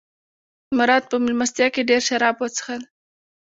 مراد په مېلمستیا کې ډېر شراب وڅښل.